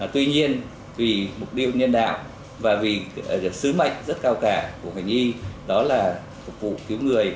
tuy nhiên vì mục đích nhân đạo và vì sứ mệnh rất cao cả của bệnh viện